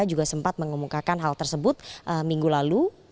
juga sempat mengemukakan hal tersebut minggu lalu